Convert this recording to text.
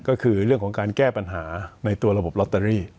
ก็คือเรื่องของการแก้ปัญหาในตัวระบบลอตเตอรี่